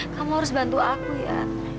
kamu harus bantu aku ya